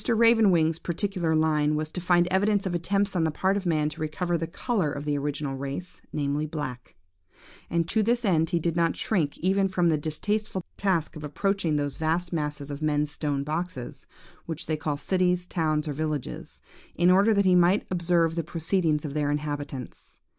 Raven wing's particular line was to find evidence of attempts on the part of man to recover the colour of the original race, namely black; and to this end he did not shrink even from the distasteful task of approaching those vast masses of men's stone boxes, which they call cities, towns, or villages, in order that he might observe the proceedings of their inhabitants.